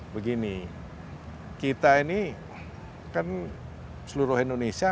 begini kita ini kan seluruh indonesia